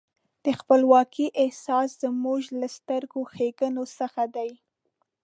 د خپلواکۍ احساس زموږ له سترو ښېګڼو څخه دی.